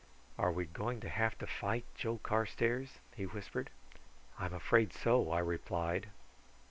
"Are we going to have to fight, Joe Carstairs?" he whispered. "I'm afraid so," I replied.